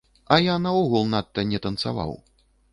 А я наогул надта не танцаваў.